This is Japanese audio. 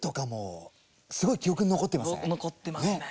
何か残ってますね。